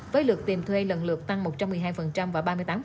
với lượt tiền thuê lần lượt tăng một trăm một mươi hai và ba mươi tám